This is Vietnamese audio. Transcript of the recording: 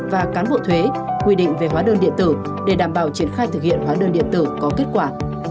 và cán bộ thuế quy định về hóa đơn điện tử để đảm bảo triển khai thực hiện hóa đơn điện tử có kết quả